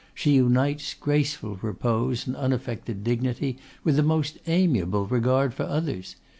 She unites graceful repose and unaffected dignity, with the most amiable regard for others.